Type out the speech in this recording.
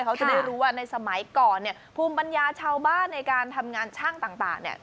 เขาจะได้รู้ว่าในสมัยก่อนเนี่ยภูมิปัญญาชาวบ้านในการทำงานช่างต่างเนี่ย